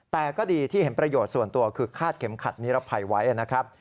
แต่ก็ดีที่เห็นประโยชน์ส่วนตัวคือคาดเข็มขัดนิรภัยไว้นะครับ